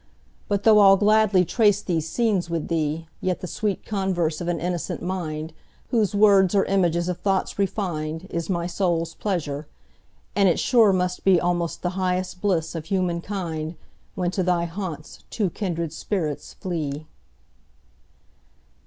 But though I'll gladly trace these scenes with thee, Yet the sweet converse of an innocent mind, Whose words are images of thoughts refin'd, Is my soul's pleasure; and it sure must beAlmost the highest bliss of human kind, When to thy haunts two kindred spirits flee.